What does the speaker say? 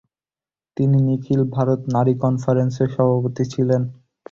তিনি নিখিল ভারত নারী কনফারেন্সের সভাপতি ছিলেন।